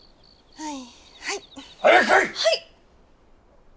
はい。